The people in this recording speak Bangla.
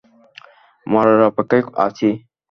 মরার অপেক্ষায় আছি।